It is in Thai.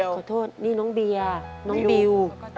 ขอโทษนี่น้องเบียร์น้องบิว